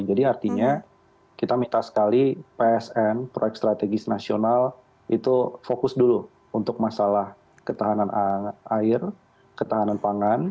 jadi artinya kita minta sekali psn proyek strategis nasional itu fokus dulu untuk masalah ketahanan air ketahanan pangan